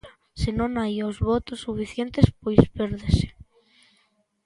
Se non hai os votos suficientes, pois pérdese.